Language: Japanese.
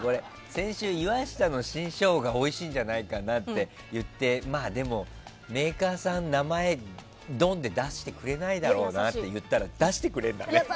先週、岩下の新生姜おいしいんじゃないかって言ってでも、メーカーさんは名前をどんって出してくれないだろうなって言ったけど出してくれるんだね。